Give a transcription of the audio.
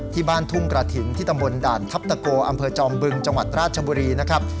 ที่บ้านทุ่งกระถิ่นที่ตำบลด่านทัพตะโกอำเภอจอมบึงจังหวัดราชบุรีนะครับ